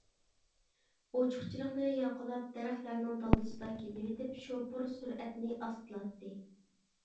ئوچۇقچىلىقنى ياقىلاپ، دەرەخلەرنىڭ دالدىسىدا كېتىۋېتىپ شوپۇر سۈرئەتنى ئاستىلاتتى.